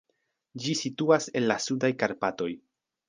Ĝi situas en la Sudaj Karpatoj.